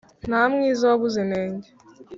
Ntamwiza wabuze intenge.